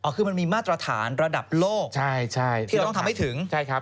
อ๋อคือมันมีมาตรฐานระดับโลกที่เราต้องทำให้ถึง